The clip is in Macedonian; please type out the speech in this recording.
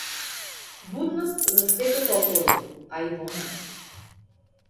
Будност за светот околу, а и во нас.